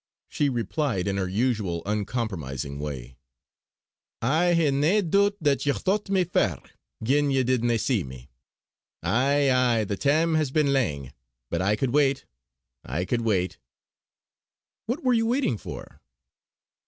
She replied in her usual uncompromising way: "I hae nae doot that ye thocht me far, gin ye did na see me. Aye! Aye! the time has been lang; but I could wait: I could wait!" "What were you waiting for?"